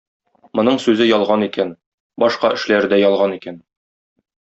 Моның сүзе ялган икән, башка эшләре дә ялган икән.